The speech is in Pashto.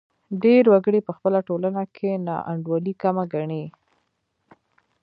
ډېر وګړي په خپله ټولنه کې ناانډولي کمه ګڼي.